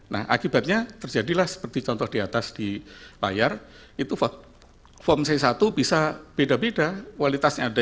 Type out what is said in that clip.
nah akibatnya terjadilah seperti contoh di atas di layar itu form c satu bisa beda beda kualitasnya